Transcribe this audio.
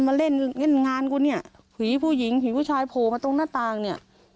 มาเล่นเล่นงานกูเนี่ยผีผู้หญิงผีผู้ชายโผล่มาตรงหน้าต่างเนี่ย